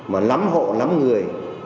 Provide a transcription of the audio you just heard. mà lắm hộ lắm người